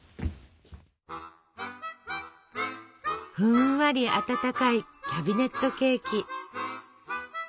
ふんわり温かいキャビネットケーキ。